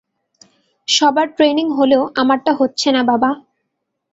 সবার ট্রেইনিং হলেও আমারটা হচ্ছে না, বাবা।